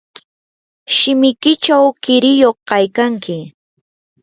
shimikiychaw qiriyuq kaykanki.